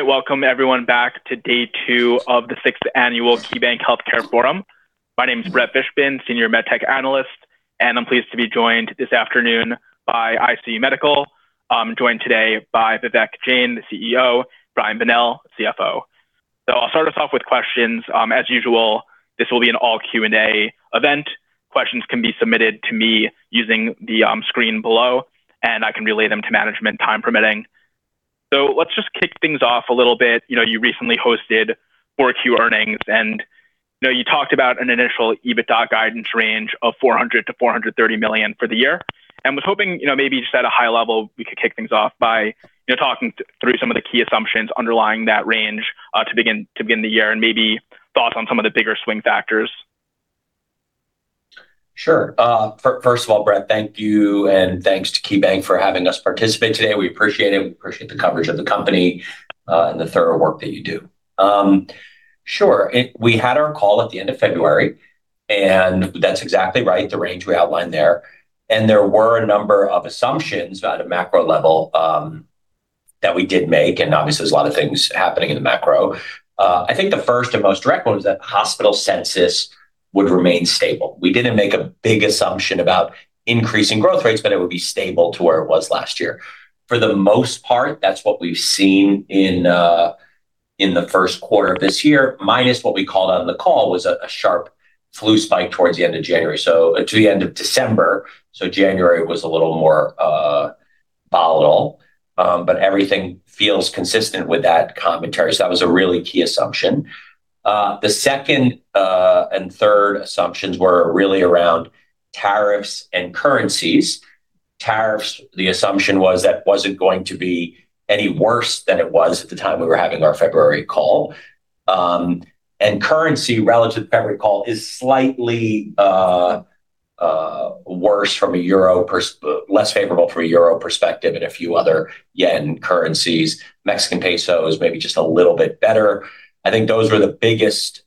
All right. Welcome everyone back to day two of the sixth annual KeyBanc Healthcare Forum. My name is Brett Fishbein, Senior MedTech Analyst, and I'm pleased to be joined this afternoon by ICU Medical. I'm joined today by Vivek Jain, the CEO, Brian Bonnell, CFO. I'll start us off with questions. As usual, this will be an all Q&A event. Questions can be submitted to me using the screen below, and I can relay them to management, time permitting. Let's just kick things off a little bit. You know, you recently hosted Q4 earnings and, you know, you talked about an initial EBITDA guidance range of $400 million-$430 million for the year. Was hoping, you know, maybe just at a high level, we could kick things off by, you know, talking through some of the key assumptions underlying that range, to begin the year and maybe thoughts on some of the bigger swing factors. Sure. First of all, Brett, thank you, and thanks to KeyBanc for having us participate today. We appreciate it. We appreciate the coverage of the company, and the thorough work that you do. Sure. We had our call at the end of February, and that's exactly right, the range we outlined there. There were a number of assumptions at a macro level, that we did make, and obviously there's a lot of things happening in the macro. I think the first and most direct one was that hospital census would remain stable. We didn't make a big assumption about increasing growth rates, but it would be stable to where it was last year. For the most part, that's what we've seen in the first quarter of this year, minus what we called on the call was a sharp flu spike towards the end of January to the end of December. January was a little more volatile, but everything feels consistent with that commentary. That was a really key assumption. The second and third assumptions were really around tariffs and currencies. Tariffs, the assumption was that it wasn't going to be any worse than it was at the time we were having our February call. Currency relative to the February call is slightly less favorable from a Euro perspective and a few other yen currencies. Mexican peso is maybe just a little bit better. I think those were the biggest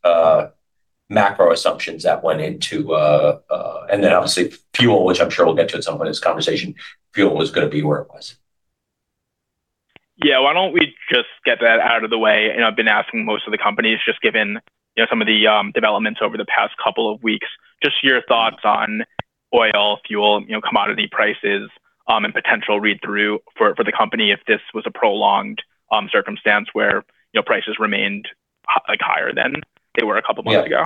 macro assumptions that went into. Obviously fuel, which I'm sure we'll get to at some point in this conversation, fuel was gonna be where it was. Yeah. Why don't we just get that out of the way? I've been asking most of the companies, just given, you know, some of the developments over the past couple of weeks, just your thoughts on oil, fuel, you know, commodity prices, and potential read-through for the company if this was a prolonged circumstance where, you know, prices remained like higher than they were a couple months ago. Yeah.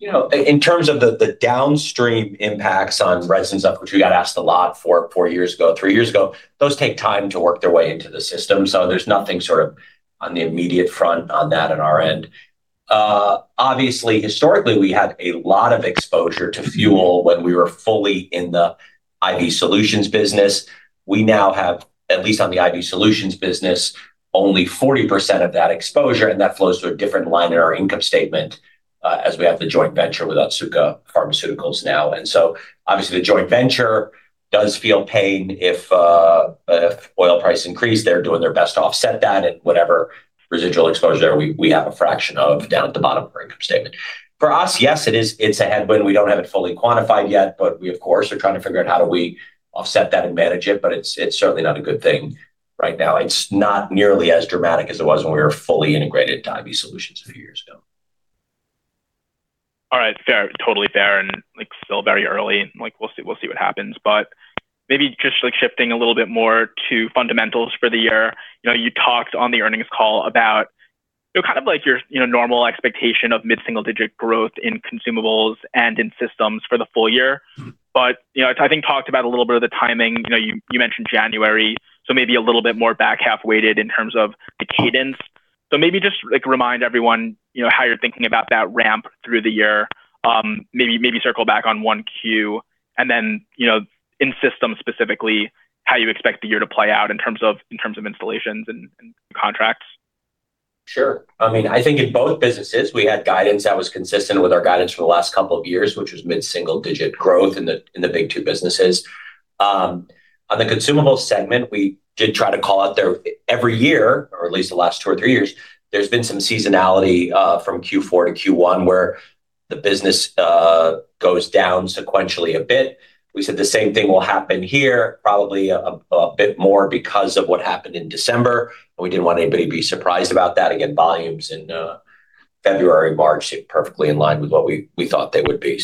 You know, in terms of the downstream impacts on resins of which we got asked a lot four years ago, three years ago, those take time to work their way into the system, so there's nothing sort of on the immediate front on that on our end. Obviously, historically, we had a lot of exposure to fuel when we were fully in the IV solutions business. We now have, at least on the IV solutions business, only 40% of that exposure, and that flows to a different line in our income statement, as we have the joint venture with Otsuka Pharmaceutical now. Obviously the joint venture does feel pain if oil prices increase, they're doing their best to offset that at whatever residual exposure we have a fraction of down at the bottom of our income statement. For us, yes, it is, it's a headwind. We don't have it fully quantified yet, but we of course are trying to figure out how do we offset that and manage it. It's certainly not a good thing right now. It's not nearly as dramatic as it was when we were fully integrated to IV solutions a few years ago. All right. Fair. Totally fair and, like, still very early. Like, we'll see, we'll see what happens. Maybe just, like, shifting a little bit more to fundamentals for the year. You know, you talked on the earnings call about, you know, kind of like your, you know, normal expectation of mid-single digit growth in consumables and in systems for the full year. Mm-hmm. You know, I think we talked about a little bit of the timing. You know, you mentioned January, so maybe a little bit more back-half weighted in terms of the cadence. Maybe just, like, remind everyone, you know, how you're thinking about that ramp through the year. Maybe circle back on 1Q. Then, you know, in systems specifically, how you expect the year to play out in terms of installations and contracts. Sure. I mean, I think in both businesses, we had guidance that was consistent with our guidance for the last couple of years, which was mid-single-digit growth in the big two businesses. On the consumables segment, we did try to call out there every year, or at least the last two or three years, there's been some seasonality from Q4 to Q1 where the business goes down sequentially a bit. We said the same thing will happen here, probably a bit more because of what happened in December, and we didn't want anybody to be surprised about that. Again, volumes in February and March sit perfectly in line with what we thought they would be.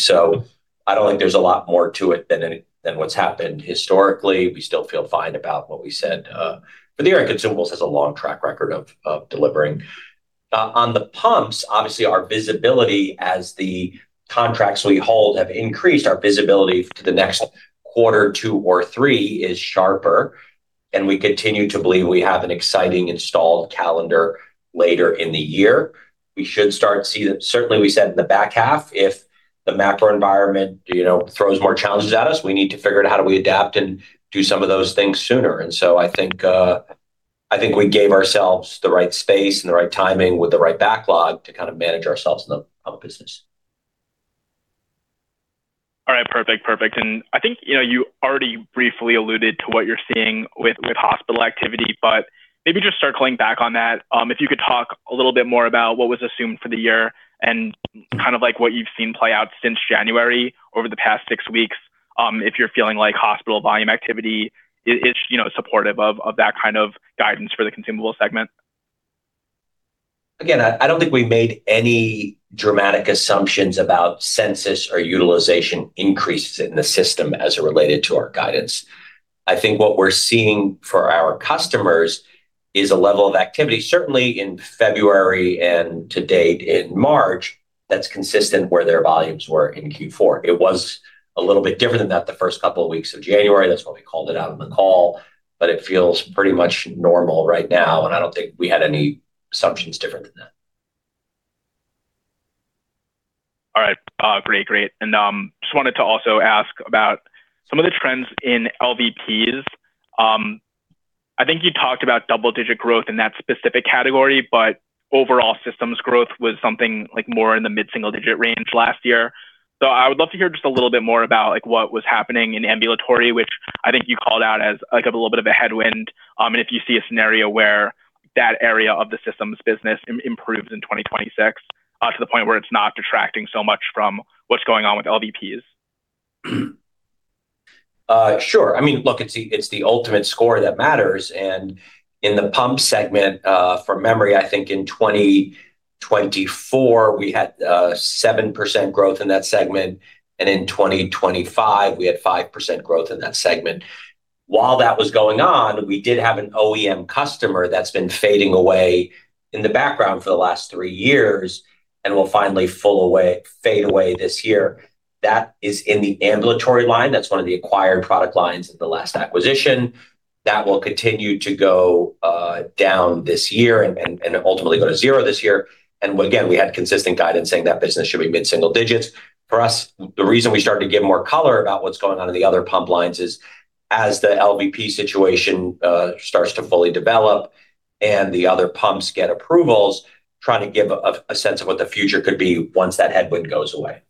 I don't think there's a lot more to it than what's happened historically. We still feel fine about what we said for the year, and consumables has a long track record of delivering. On the pumps, obviously our visibility as the contracts we hold have increased, our visibility to the next quarter, two, or three is sharper, and we continue to believe we have an exciting installed calendar later in the year. We should start to see that certainly we said in the back half if the macro environment, you know, throws more challenges at us, we need to figure out how do we adapt and do some of those things sooner. I think we gave ourselves the right space and the right timing with the right backlog to kind of manage ourselves on the business. All right. Perfect. I think, you know, you already briefly alluded to what you're seeing with hospital activity, but maybe just circling back on that, if you could talk a little bit more about what was assumed for the year and kind of like what you've seen play out since January over the past six weeks. If you're feeling like hospital volume activity is, you know, supportive of that kind of guidance for the consumable segment. Again, I don't think we made any dramatic assumptions about census or utilization increases in the system as it related to our guidance. I think what we're seeing for our customers is a level of activity, certainly in February and to date in March, that's consistent where their volumes were in Q4. It was a little bit different than that the first couple of weeks of January. That's why we called it out on the call. But it feels pretty much normal right now, and I don't think we had any assumptions different than that. All right. Great. Just wanted to also ask about some of the trends in LVPs. I think you talked about double-digit growth in that specific category, but overall systems growth was something like more in the mid-single digit range last year. I would love to hear just a little bit more about like what was happening in ambulatory, which I think you called out as like a little bit of a headwind, and if you see a scenario where that area of the systems business improves in 2026, to the point where it's not detracting so much from what's going on with LVPs. Sure. I mean, look, it's the ultimate score that matters. In the pump segment, from memory, I think in 2024, we had 7% growth in that segment, and in 2025, we had 5% growth in that segment. While that was going on, we did have an OEM customer that's been fading away in the background for the last three years and will finally fade away this year. That is in the ambulatory line. That's one of the acquired product lines in the last acquisition. That will continue to go down this year and ultimately go to zero this year. Again, we had consistent guidance saying that business should be mid-single digits. For us, the reason we started to give more color about what's going on in the other pump lines is as the LVP situation starts to fully develop and the other pumps get approvals, trying to give a sense of what the future could be once that headwind goes away.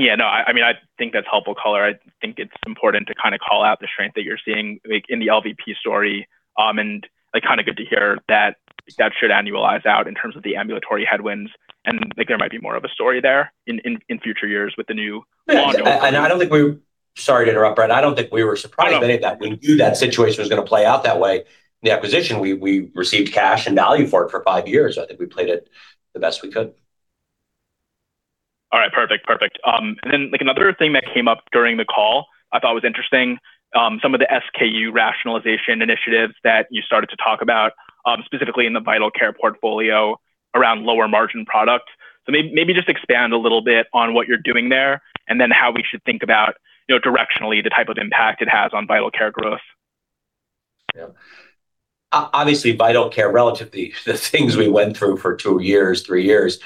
Yeah, no, I mean, I think that's helpful color. I think it's important to kinda call out the strength that you're seeing like in the LVP story, and like kinda good to hear that that should annualize out in terms of the ambulatory headwinds, and like there might be more of a story there in future years with the new Yes. Sorry to interrupt, Brett. I don't think we were surprised by any of that. We knew that situation was gonna play out that way. The acquisition, we received cash and value for it for five years. I think we played it the best we could. All right, perfect. Like another thing that came up during the call I thought was interesting, some of the SKU rationalization initiatives that you started to talk about, specifically in the Vital Care portfolio around lower margin product. Maybe just expand a little bit on what you're doing there, and then how we should think about, you know, directionally the type of impact it has on Vital Care growth. Yeah. Obviously, Vital Care, relatively, the things we went through for two years, three years,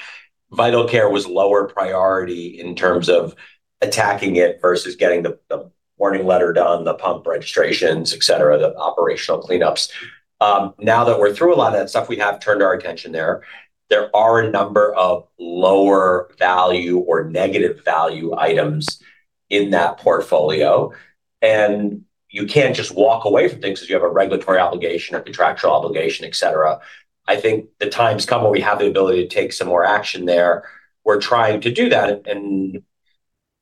Vital Care was lower priority in terms of attacking it versus getting the warning letter done, the pump registrations, et cetera, the operational cleanups. Now that we're through a lot of that stuff, we have turned our attention there. There are a number of lower value or negative value items in that portfolio, and you can't just walk away from things 'cause you have a regulatory obligation, a contractual obligation, et cetera. I think the time's come where we have the ability to take some more action there. We're trying to do that and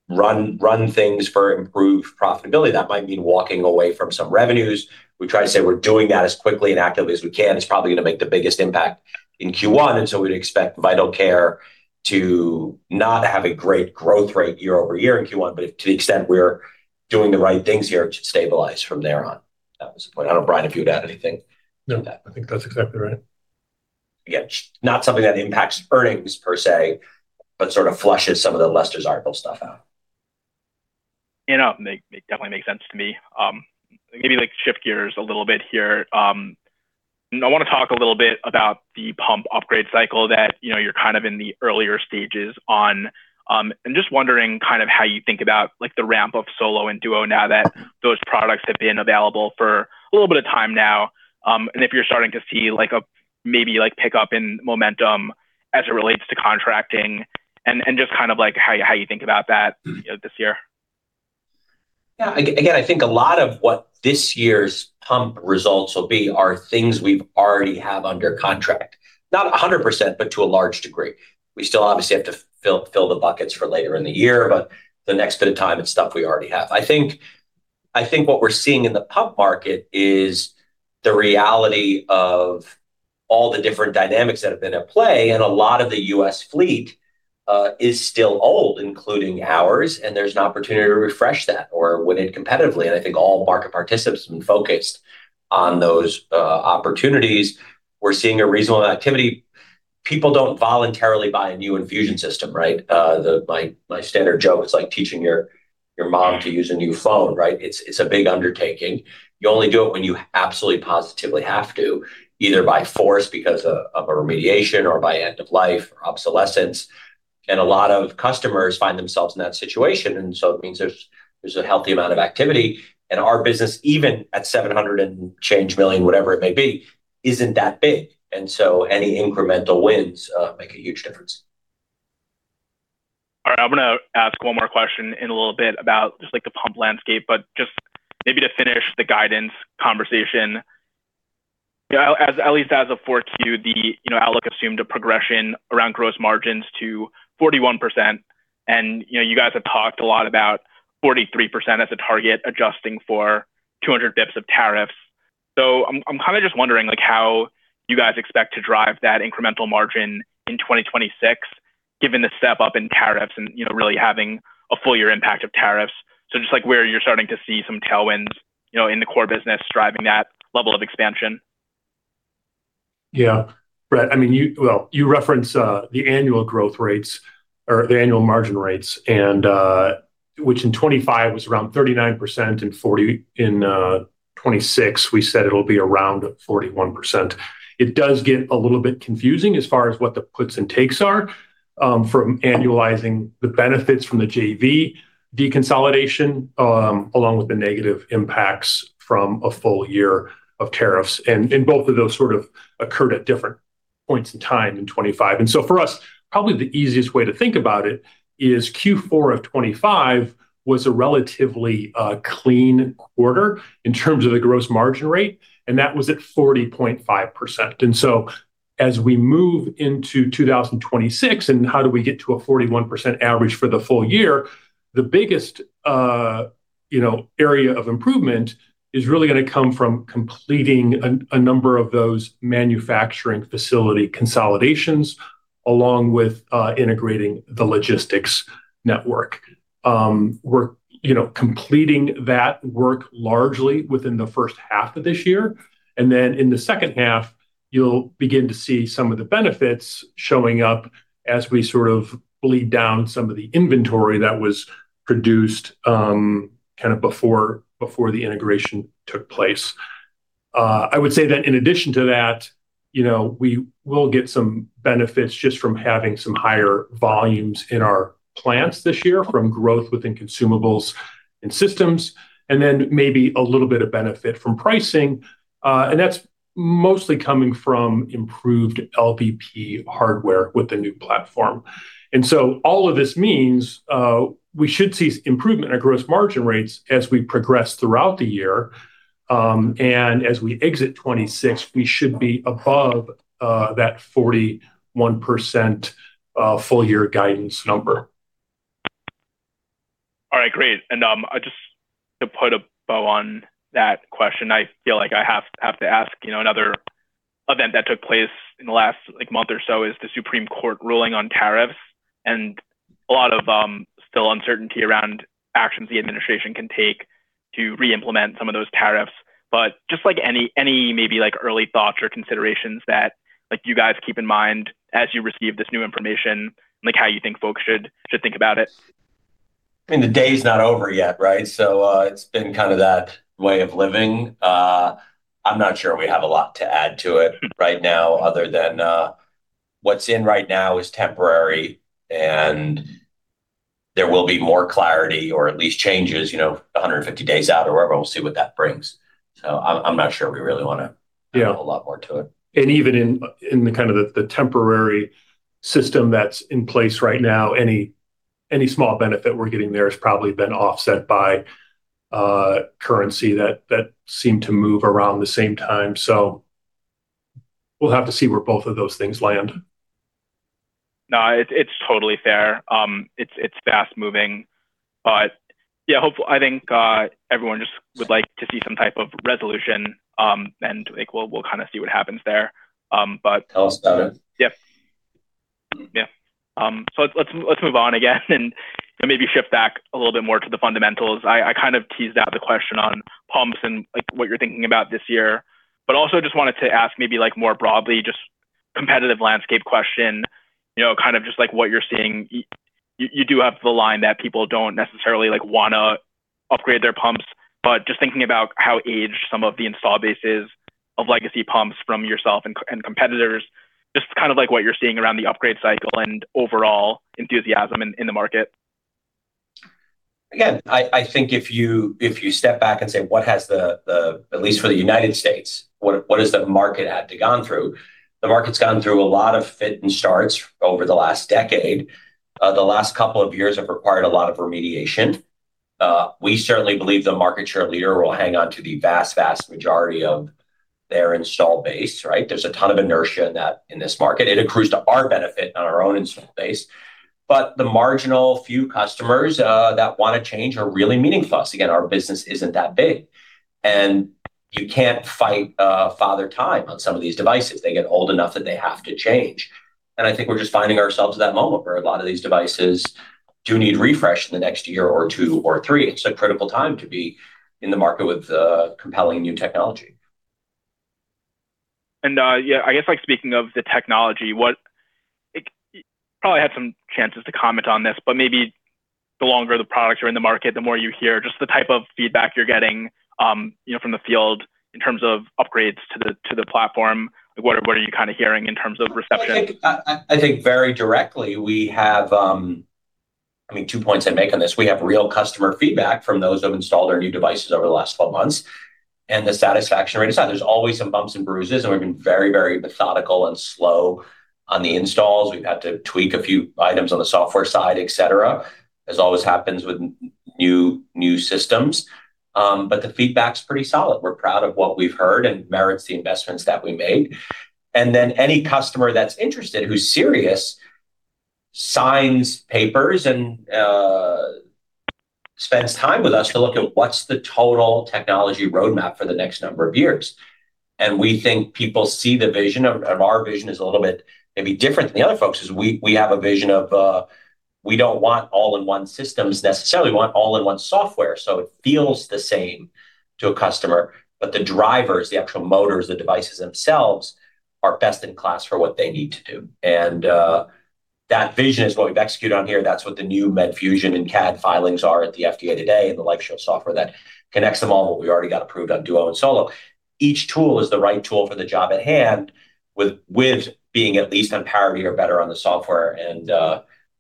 run things for improved profitability. That might mean walking away from some revenues. We try to say we're doing that as quickly and actively as we can. It's probably gonna make the biggest impact in Q1, and so we'd expect Vital Care to not have a great growth rate year-over-year in Q1, but to the extent we're doing the right things here, it should stabilize from there on. That was the point. I don't know, Brian, if you'd add anything to that. No. I think that's exactly right. Again, not something that impacts earnings per se, but sort of flushes some of the lesser stuff that stock out. Yeah. No, that makes sense to me. Maybe like shift gears a little bit here. I wanna talk a little bit about the pump upgrade cycle that, you know, you're kind of in the earlier stages on. Just wondering kind of how you think about like the ramp of Plum Solo and Plum Duo now that those products have been available for a little bit of time now, and if you're starting to see like a maybe like pickup in momentum as it relates to contracting and just kind of like how you think about that, you know, this year? Yeah. Again, I think a lot of what this year's pump results will be are things we already have under contract. Not 100%, but to a large degree. We still obviously have to fill the buckets for later in the year, but the next bit of time, it's stuff we already have. I think what we're seeing in the pump market is the reality of all the different dynamics that have been at play, and a lot of the U.S. fleet is still old, including ours, and there's an opportunity to refresh that or win it competitively. I think all market participants have been focused on those opportunities. We're seeing a reasonable activity. People don't voluntarily buy a new infusion system, right? My standard joke, it's like teaching your mom to use a new phone, right? It's a big undertaking. You only do it when you absolutely, positively have to, either by force because of a remediation or by end of life or obsolescence. A lot of customers find themselves in that situation, and so it means there's a healthy amount of activity. Our business, even at $700 and change million, whatever it may be, isn't that big. Any incremental wins make a huge difference. All right. I'm gonna ask one more question in a little bit about just like the pump landscape. Just maybe to finish the guidance conversation. Yeah, as of at least Q4, the you know, outlook assumed a progression around gross margins to 41%. You know, you guys have talked a lot about 43% as a target adjusting for 200 bps of tariffs. I'm kinda just wondering like how you guys expect to drive that incremental margin in 2026 given the step up in tariffs and, you know, really having a full year impact of tariffs. Just like where you're starting to see some tailwinds, you know, in the core business driving that level of expansion. Yeah. Brett, I mean, well, you reference the annual growth rates or the annual margin rates, which in 2025 was around 39%. In 2026, we said it'll be around 41%. It does get a little bit confusing as far as what the puts and takes are from annualizing the benefits from the JV deconsolidation along with the negative impacts from a full year of tariffs. Both of those sort of occurred at different points in time in 2025. For us, probably the easiest way to think about it is Q4 of 2025 was a relatively clean quarter in terms of the gross margin rate, and that was at 40.5%. As we move into 2026, and how do we get to a 41% average for the full year, the biggest area of improvement is really gonna come from completing a number of those manufacturing facility consolidations along with integrating the logistics network. We're completing that work largely within the first half of this year, and then in the second half you'll begin to see some of the benefits showing up as we sort of bleed down some of the inventory that was produced, kind of before the integration took place. I would say that in addition to that, you know, we will get some benefits just from having some higher volumes in our plants this year from growth within consumables and systems, and then maybe a little bit of benefit from pricing, and that's mostly coming from improved LVP hardware with the new platform. All of this means, we should see improvement in our gross margin rates as we progress throughout the year, and as we exit 2026, we should be above that 41% full year guidance number. All right, great. I just to put a bow on that question, I feel like I have to ask, you know, another event that took place in the last like month or so is the Supreme Court ruling on tariffs, and a lot of still uncertainty around actions the administration can take to re-implement some of those tariffs. Just like any maybe like early thoughts or considerations that like you guys keep in mind as you receive this new information, like how you think folks should think about it. I mean, the day's not over yet, right? It's been kinda that way of living. I'm not sure we have a lot to add to it right now other than what's in right now is temporary, and there will be more clarity or at least changes, you know, 150 days out or whatever, and we'll see what that brings. I'm not sure we really wanna- Yeah Add a lot more to it. Even in the kind of temporary system that's in place right now, any small benefit we're getting there has probably been offset by currency that seemed to move around the same time. We'll have to see where both of those things land. No, it's totally fair. It's fast-moving. Yeah, I think everyone just would like to see some type of resolution, and I think we'll kinda see what happens there. Tell us about it. Yeah. So let's move on again and maybe shift back a little bit more to the fundamentals. I kind of teased out the question on pumps and like what you're thinking about this year, but also just wanted to ask maybe like more broadly, just competitive landscape question, you know, kind of just like what you're seeing. You do have the line that people don't necessarily like wanna upgrade their pumps, but just thinking about how aged some of the installed base is of legacy pumps from yourself and competitors, just kind of like what you're seeing around the upgrade cycle and overall enthusiasm in the market. I think if you step back and say, at least for the United States, what has the market gone through? The market's gone through a lot of fits and starts over the last decade. The last couple of years have required a lot of remediation. We certainly believe the market share leader will hang on to the vast majority of their install base, right? There's a ton of inertia in this market. It accrues to our benefit on our own install base. But the marginal few customers that wanna change are really meaningful to us. Again, our business isn't that big, and you can't fight Father Time on some of these devices. They get old enough that they have to change. I think we're just finding ourselves at that moment where a lot of these devices do need refresh in the next year or two or three. It's a critical time to be in the market with compelling new technology. Yeah, I guess like speaking of the technology, you probably had some chances to comment on this, but maybe the longer the products are in the market, the more you hear just the type of feedback you're getting, you know, from the field in terms of upgrades to the platform. What are you kinda hearing in terms of reception? I think very directly we have, I mean, two points I'd make on this. We have real customer feedback from those that have installed our new devices over the last 12 months, and the satisfaction rate is high. There's always some bumps and bruises, and we've been very, very methodical and slow on the installs. We've had to tweak a few items on the software side, et cetera, as always happens with new systems. But the feedback's pretty solid. We're proud of what we've heard and merits the investments that we made. Then any customer that's interested who's serious signs papers and spends time with us to look at what's the total technology roadmap for the next number of years. We think people see the vision of our vision is a little bit maybe different than the other folks. We have a vision of we don't want all-in-one systems necessarily. We want all-in-one software, so it feels the same to a customer. The drivers, the actual motors, the devices themselves are best in class for what they need to do. That vision is what we've executed on here. That's what the new Medfusion and CADD filings are at the FDA today, and the LifeShield software that connects them all, what we already got approved on Duo and Solo. Each tool is the right tool for the job at hand with being at least on par with or better on the software and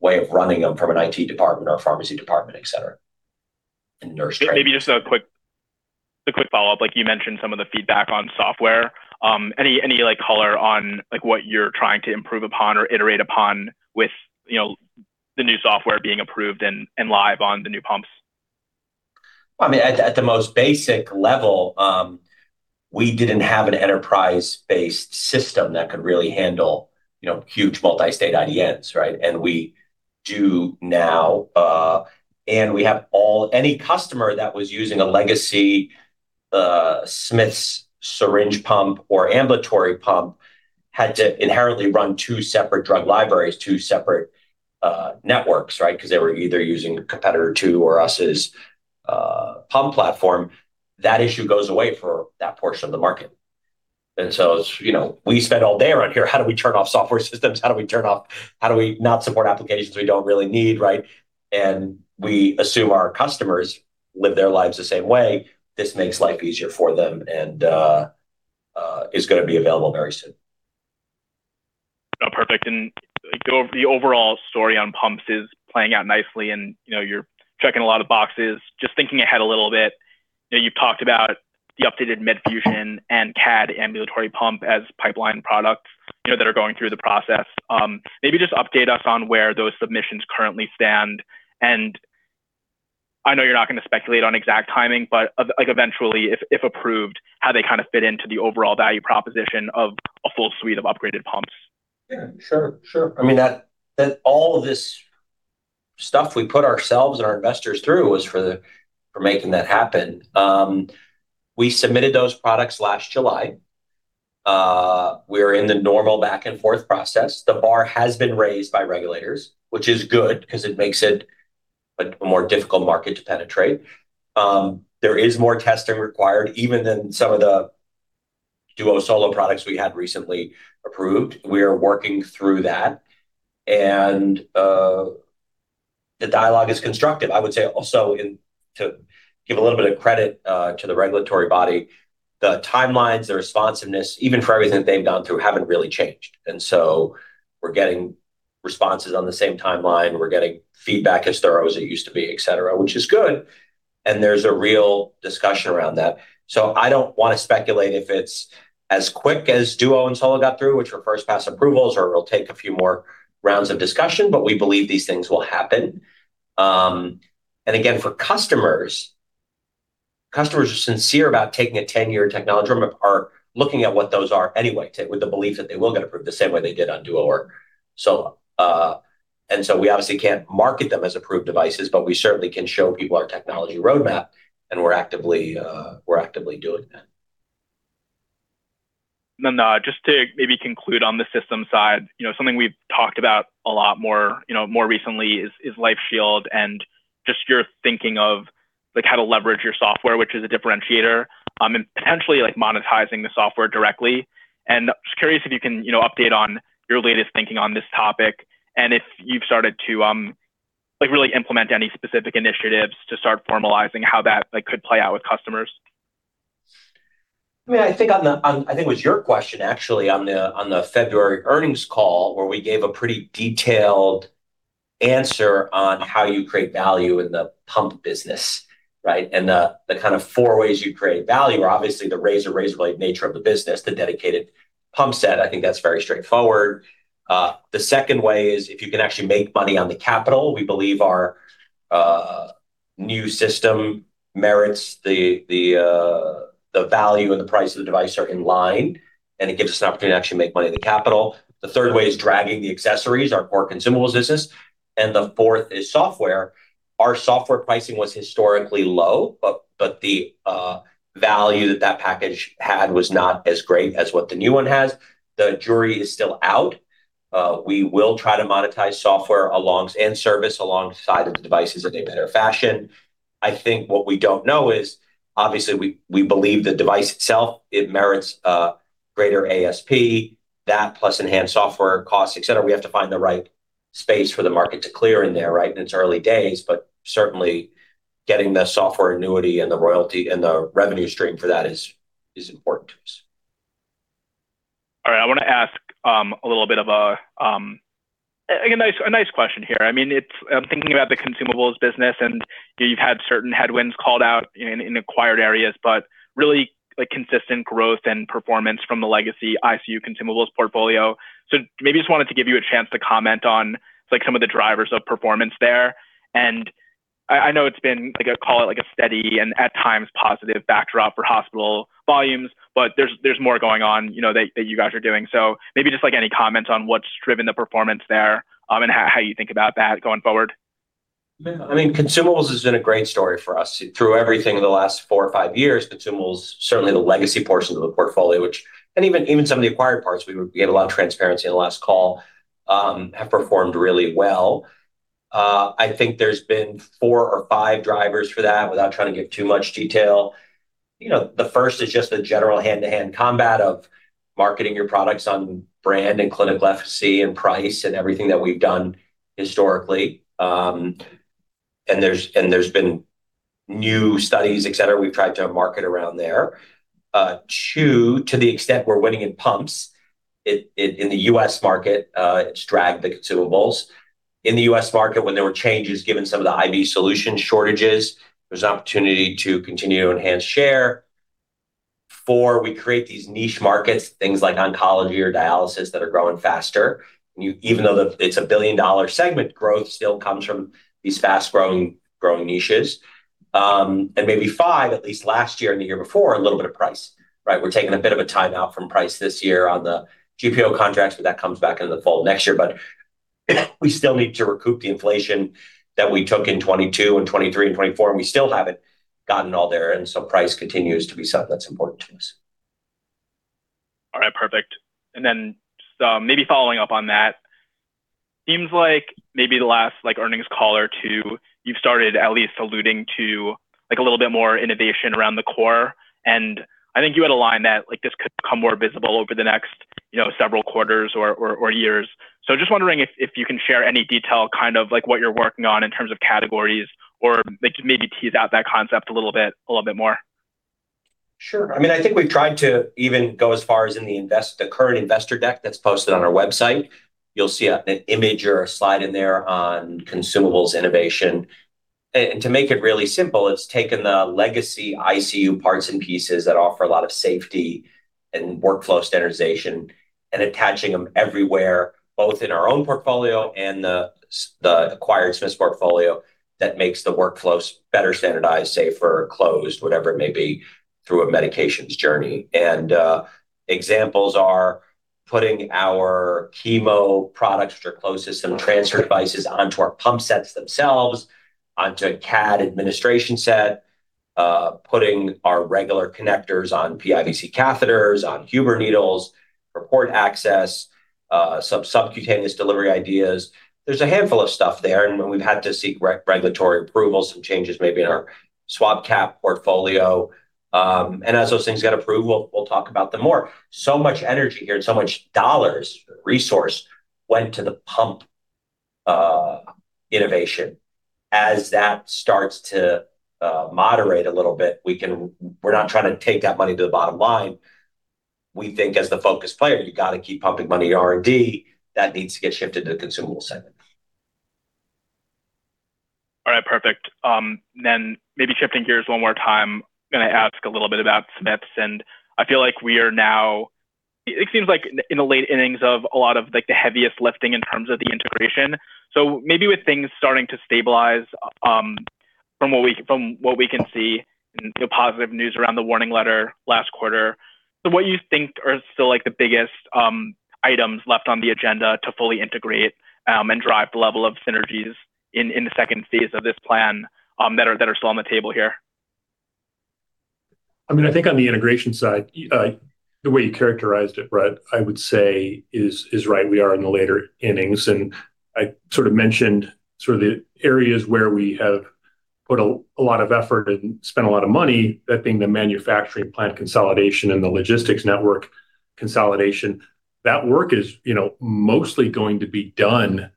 way of running them from an IT department or pharmacy department, et cetera, and nurse training. Maybe just a quick follow-up. Like you mentioned some of the feedback on software. Any like, color on, like, what you're trying to improve upon or iterate upon with, you know, the new software being approved and live on the new pumps? I mean, at the most basic level, we didn't have an enterprise-based system that could really handle, you know, huge multi-state IDNs, right? We do now, and we have any customer that was using a legacy Smiths syringe pump or ambulatory pump had to inherently run two separate drug libraries, two separate networks, right? 'Cause they were either using competitor too or us as pump platform. That issue goes away for that portion of the market. It's, you know, we spend all day around here, how do we turn off software systems? How do we not support applications we don't really need, right? We assume our customers live their lives the same way. This makes life easier for them and is gonna be available very soon. Oh, perfect. Like, the overall story on pumps is playing out nicely and, you know, you're checking a lot of boxes. Just thinking ahead a little bit, you know, you talked about the updated Medfusion and CADD ambulatory pump as pipeline products, you know, that are going through the process. Maybe just update us on where those submissions currently stand, and I know you're not gonna speculate on exact timing, but like, eventually if approved, how they kind of fit into the overall value proposition of a full suite of upgraded pumps. Yeah, sure. I mean, that all of this stuff we put ourselves and our investors through was for making that happen. We submitted those products last July. We're in the normal back-and-forth process. The bar has been raised by regulators, which is good 'cause it makes it a more difficult market to penetrate. There is more testing required even than some of the Duo, Solo products we had recently approved. We are working through that and the dialogue is constructive. I would say also to give a little bit of credit to the regulatory body, the timelines, the responsiveness, even for everything that they've gone through, haven't really changed. We're getting responses on the same timeline. We're getting feedback as thorough as it used to be, et cetera, which is good, and there's a real discussion around that. I don't wanna speculate if it's as quick as Duo and Solo got through, which were first pass approvals, or it'll take a few more rounds of discussion, but we believe these things will happen. Again, for customers are sincere about taking a 10 year technology or looking at what those are anyway with the belief that they will get approved the same way they did on Duo or Solo. We obviously can't market them as approved devices, but we certainly can show people our technology roadmap, and we're actively doing that. Just to maybe conclude on the system side. You know, something we've talked about a lot more, you know, more recently is LifeShield and just your thinking of, like, how to leverage your software, which is a differentiator, and potentially, like, monetizing the software directly. Just curious if you can, you know, update on your latest thinking on this topic and if you've started to, like, really implement any specific initiatives to start formalizing how that, like, could play out with customers. I mean, I think it was your question actually on the February earnings call where we gave a pretty detailed answer on how you create value in the pump business, right? The kind of four ways you create value are obviously the razor-razorblade nature of the business, the dedicated pump set. I think that's very straightforward. The second way is if you can actually make money on the capital. We believe our new system merits the value and the price of the device are in line, and it gives us an opportunity to actually make money on the capital. The third way is dragging the accessories, our core consumables business. The fourth is software. Our software pricing was historically low, but the value that package had was not as great as what the new one has. The jury is still out. We will try to monetize software add-ons and service alongside of the devices in a better fashion. I think what we don't know is, obviously we believe the device itself merits a greater ASP. That plus enhanced software costs, et cetera. We have to find the right space for the market to clear in there, right? It's early days, but certainly getting the software annuity and the royalty and the revenue stream for that is important to us. All right. I wanna ask a little bit of a nice question here. I mean, I'm thinking about the consumables business, and, you know, you've had certain headwinds called out in acquired areas, but really, like, consistent growth and performance from the legacy ICU consumables portfolio. Maybe just wanted to give you a chance to comment on, like, some of the drivers of performance there and I know it's been like, call it, a steady and at times positive backdrop for hospital volumes, but there's more going on, you know, that you guys are doing. Maybe just like any comment on what's driven the performance there, and how you think about that going forward. Yeah, I mean, consumables has been a great story for us. Through everything in the last four or five years, consumables, certainly the legacy portion of the portfolio, and even some of the acquired parts, we gave a lot of transparency in the last call, have performed really well. I think there's been four or five drivers for that, without trying to give too much detail. You know, the first is just the general hand-to-hand combat of marketing your products on brand and clinical efficacy and price and everything that we've done historically. There's been new studies, et cetera, we've tried to market around there. Two, to the extent we're winning in pumps in the U.S. market, it's dragged the consumables. In the U.S. market when there were changes given some of the IV solution shortages, there's opportunity to continue to enhance share. Four, we create these niche markets, things like oncology or dialysis that are growing faster. Even though it's a billion-dollar segment, growth still comes from these fast-growing niches. Maybe five, at least last year and the year before, a little bit of price, right? We're taking a bit of a time out from price this year on the GPO contracts, but that comes back into the fall of next year. We still need to recoup the inflation that we took in 2022 and 2023 and 2024, and we still haven't gotten all there, and so price continues to be something that's important to us. All right, perfect. Maybe following up on that, seems like maybe the last like earnings call or two, you've started at least alluding to like a little bit more innovation around the core. I think you had a line that like this could become more visible over the next, you know, several quarters or years. Just wondering if you can share any detail kind of like what you're working on in terms of categories, or like maybe tease out that concept a little bit, a little bit more. Sure. I mean, I think we've tried to even go as far as in the current investor deck that's posted on our website. You'll see an image slide in there on consumables innovation. To make it really simple, it's taken the legacy ICU parts and pieces that offer a lot of safety and workflow standardization and attaching them everywhere, both in our own portfolio and the acquired Smiths portfolio that makes the workflows better standardized, safer, closed, whatever it may be, through a medications journey. Examples are putting our chemo products which are closed system transfer devices onto our pump sets themselves, onto a CADD administration set, putting our regular connectors on PIVC catheters, on Huber needles, port access, some subcutaneous delivery ideas. There's a handful of stuff there, and when we've had to seek regulatory approval, some changes maybe in our SwabCap portfolio. As those things get approved, we'll talk about them more. Much energy here and so much dollars, resources went to the pump innovation. As that starts to moderate a little bit, we're not trying to take that money to the bottom line. We think as the focus player, you gotta keep pumping money to R&D. That needs to get shifted to the consumable segment. All right, perfect. Then maybe shifting gears one more time, gonna ask a little bit about Smiths, and I feel like we are now, it seems like in the late innings of a lot of like the heaviest lifting in terms of the integration. Maybe with things starting to stabilize, from what we can see and the positive news around the warning letter last quarter. What do you think are still like the biggest items left on the agenda to fully integrate and drive the level of synergies in the second phase of this plan that are still on the table here? I mean, I think on the integration side, the way you characterized it, Brett, I would say is right. We are in the later innings. I sort of mentioned sort of the areas where we have put a lot of effort and spent a lot of money, that being the manufacturing plant consolidation and the logistics network consolidation. That work is, you know, mostly going to be done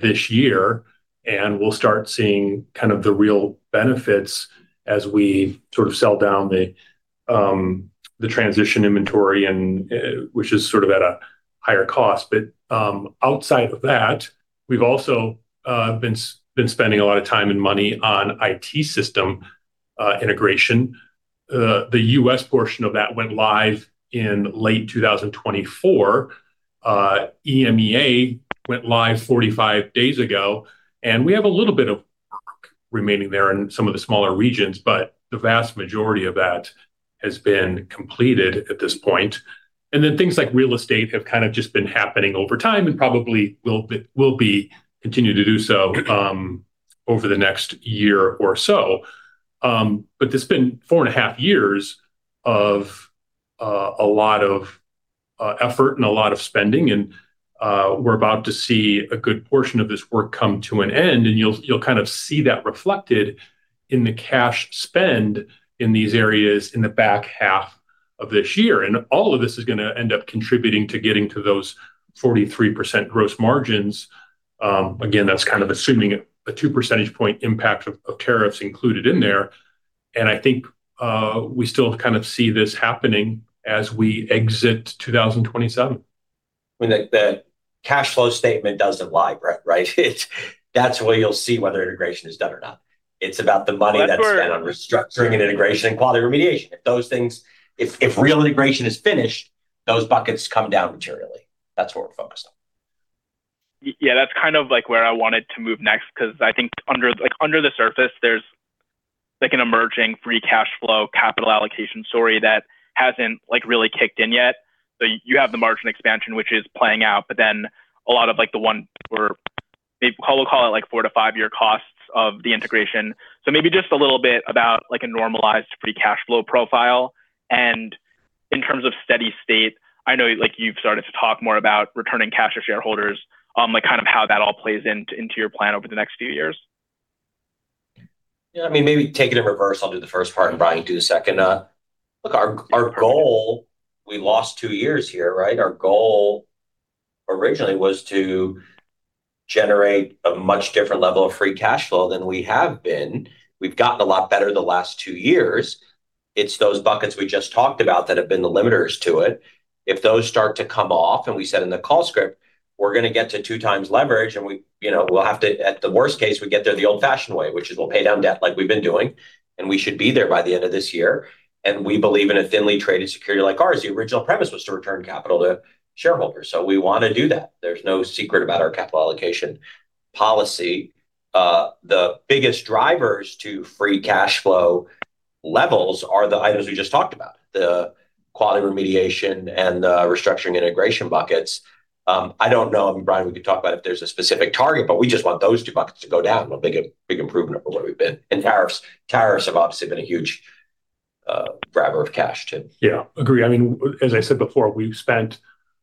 this year, and we'll start seeing kind of the real benefits as we sort of sell down the transition inventory and which is sort of at a higher cost. Outside of that, we've also been spending a lot of time and money on IT system integration. The U.S. portion of that went live in late 2024. EMEA went live 45 days ago, and we have a little bit of work remaining there in some of the smaller regions, but the vast majority of that has been completed at this point. Things like real estate have kind of just been happening over time and probably will continue to do so over the next year or so. It's been 4.5 years of a lot of effort and a lot of spending, and we're about to see a good portion of this work come to an end, and you'll kind of see that reflected in the cash spend in these areas in the back half of this year. All of this is gonna end up contributing to getting to those 43% gross margins. again, that's kind of assuming a 2 percentage point impact of tariffs included in there. I think we still kind of see this happening as we exit 2027. I mean, the cash flow statement doesn't lie, Brett, right? That's where you'll see whether integration is done or not. It's about the money that's been on restructuring and integration and quality remediation. If those things, if real integration is finished, those buckets come down materially. That's what we're focused on. Yeah, that's kind of like where I wanted to move next 'cause I think under the surface there's like an emerging free cash flow capital allocation story that hasn't like really kicked in yet. You have the margin expansion which is playing out, but then a lot of like the one where we'll call it like four-five-year costs of the integration. Maybe just a little bit about like a normalized free cash flow profile and in terms of steady state. I know like you've started to talk more about returning cash to shareholders, like kind of how that all plays into your plan over the next few years. Yeah, I mean maybe take it in reverse. I'll do the first part and Brian Bonnell can do the second. Look, our goal, we lost two years here, right? Our goal originally was to generate a much different level of free cash flow than we have been. We've gotten a lot better the last two years. It's those buckets we just talked about that have been the limiters to it. If those start to come off, and we said in the call script, we're gonna get to 2x leverage, and we, you know, at the worst case, we get there the old-fashioned way, which is we'll pay down debt like we've been doing, and we should be there by the end of this year. We believe in a thinly traded security like ours, the original premise was to return capital to shareholders. We wanna do that. There's no secret about our capital allocation policy. The biggest drivers to free cash flow levels are the items we just talked about, the quality remediation and the restructuring integration buckets. I don't know. I mean, Brian, we can talk about if there's a specific target, but we just want those two buckets to go down a big, big improvement over where we've been. Tariffs have obviously been a huge grabber of cash too. Yeah, agree. I mean, as I said before, we've spent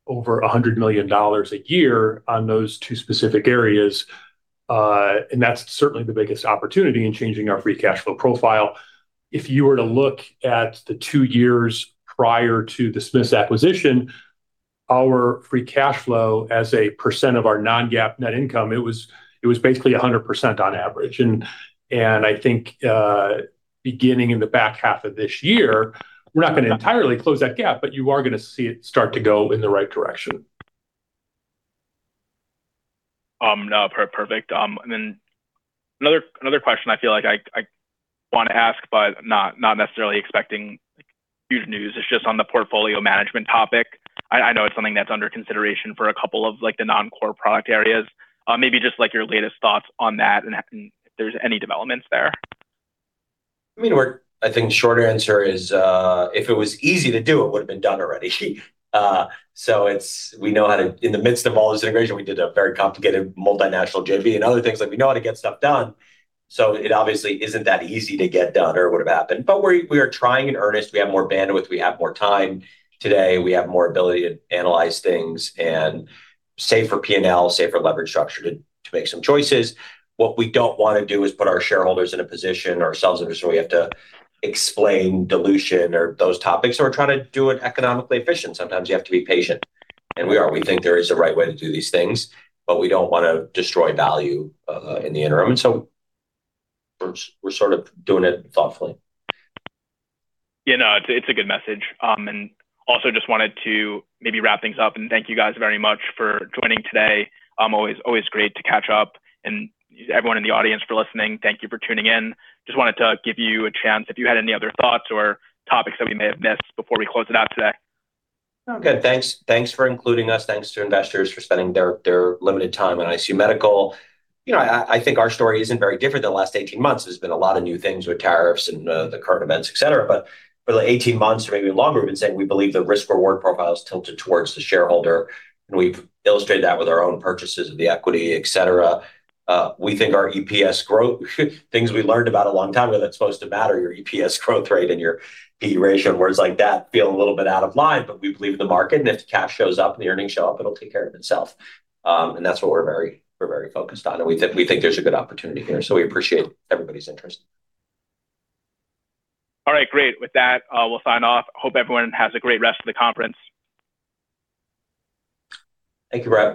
over $100 million a year on those two specific areas, and that's certainly the biggest opportunity in changing our free cash flow profile. If you were to look at the two years prior to the Smiths acquisition, our free cash flow as a percent of our non-GAAP net income, it was basically 100% on average. I think, beginning in the back half of this year, we're not gonna entirely close that gap, but you are gonna see it start to go in the right direction. No, perfect. Then another question I feel like I wanna ask, but not necessarily expecting like huge news. It's just on the portfolio management topic. I know it's something that's under consideration for a couple of like the non-core product areas. Maybe just like your latest thoughts on that and if there's any developments there. I mean, I think short answer is, if it was easy to do, it would've been done already. We know how to, in the midst of all this integration, we did a very complicated multinational JV and other things, like we know how to get stuff done. It obviously isn't that easy to get done or it would've happened. We are trying in earnest. We have more bandwidth, we have more time today, we have more ability to analyze things and safer P&L, safer leverage structure to make some choices. What we don't wanna do is put our shareholders in a position or ourselves in a position where we have to explain dilution or those topics. We're trying to do it economically efficient. Sometimes you have to be patient, and we are. We think there is a right way to do these things, but we don't wanna destroy value in the interim. We're sort of doing it thoughtfully. Yeah, no, it's a good message. Also just wanted to maybe wrap things up and thank you guys very much for joining today. Always great to catch up, and everyone in the audience for listening, thank you for tuning in. Just wanted to give you a chance if you had any other thoughts or topics that we may have missed before we close it out today. No. Good. Thanks. Thanks for including us. Thanks to investors for spending their limited time on ICU Medical. You know, I think our story isn't very different the last 18 months. There's been a lot of new things with tariffs and, the current events, et cetera. For the 18 months or maybe longer, we've been saying we believe the risk-reward profile is tilted towards the shareholder, and we've illustrated that with our own purchases of the equity, et cetera. We think our EPS growth, things we learned about a long time ago that's supposed to matter, your EPS growth rate and your P/E ratio and words like that feel a little bit out of line. We believe in the market, and if the cash shows up and the earnings show up, it'll take care of itself. That's what we're very focused on. We think there's a good opportunity here, so we appreciate everybody's interest. All right. Great. With that, we'll sign off. Hope everyone has a great rest of the conference. Thank you, Brian.